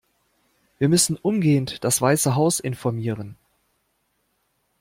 Wir müssen umgehend das Weiße Haus informieren.